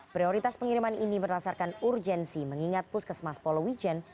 prioritas pengiriman ini berdasarkan urgensi mengingat puskesmas polowijen